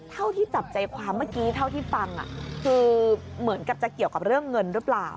เท่าที่จับใจความเมื่อกี้เท่าที่ฟังคือเหมือนกับจะเกี่ยวกับเรื่องเงินหรือเปล่า